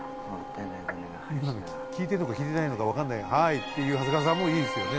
聞いてるのか聞いてないのかわかんない「はい」って言う長谷川さんもいいですよね。